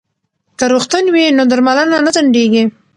که روغتون وي نو درملنه نه ځنډیږي.